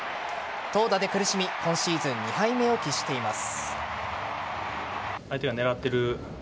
投打で苦しみ今シーズン２敗目を喫しています。